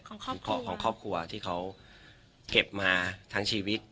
ของของครอบครัวที่เขาเก็บมาทั้งชีวิต